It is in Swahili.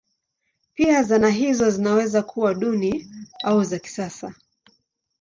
Pia zana hizo zinaweza kuwa duni au za kisasa.